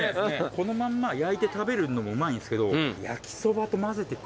このまんま焼いて食べるのもうまいんすけど。